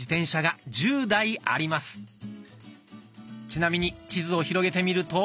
ちなみに地図を広げてみると。